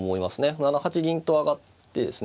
７八銀と上がってですね